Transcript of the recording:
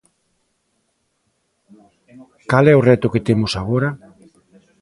¿Cal é o reto que temos agora?